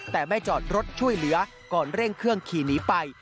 แต่ไม่จอดรถช่วยเหลือก่อนเร่งเครื่องขี่หนีไป